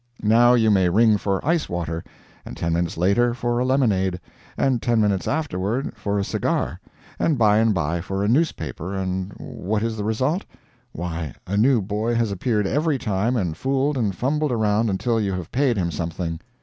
Now you may ring for ice water; and ten minutes later for a lemonade; and ten minutes afterward, for a cigar; and by and by for a newspaper and what is the result? Why, a new boy has appeared every time and fooled and fumbled around until you have paid him something.